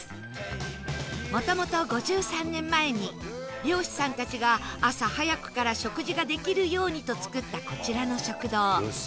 もともと５３年前に漁師さんたちが朝早くから食事ができるようにと作ったこちらの食堂